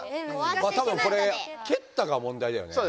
たぶんこれ「けった」が問題だよね？